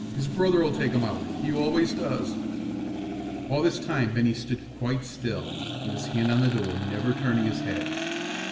His brother'll take him out; he always does." All this time Bennie stood quite still, with his hand on the door, never turning his head.